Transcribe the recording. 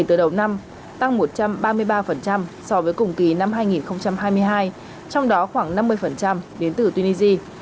từ đầu năm tăng một trăm ba mươi ba so với cùng kỳ năm hai nghìn hai mươi hai trong đó khoảng năm mươi đến từ tunisia